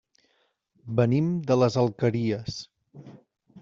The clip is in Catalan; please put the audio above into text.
Venim de les Alqueries.